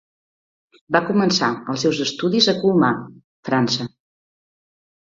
Va començar els seus estudis a Colmar, França.